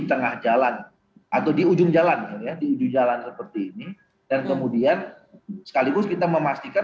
tengah jalan atau di ujung jalan ya di ujung jalan seperti ini dan kemudian sekaligus kita memastikan